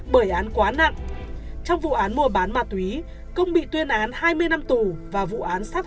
bởi án quá nặng trong vụ án mua bán ma túy công bị tuyên án hai mươi năm tù và vụ án sắp